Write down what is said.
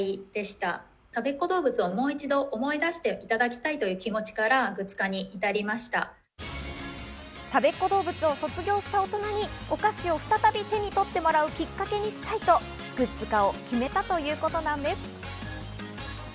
たべっ子どうぶつを卒業した大人にお菓子を再び手に取ってもらうきっかけにしたいとグッズ化を決めたというのです。